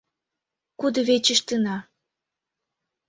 — Кудывечыштына...